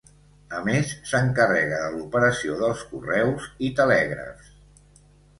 A més, s'encarrega de l'operació dels correus i telègrafs.